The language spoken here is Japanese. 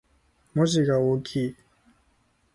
文字が大きい